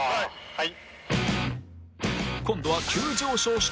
はい。